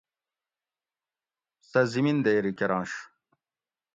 سہ زِمیندیری کۤرنش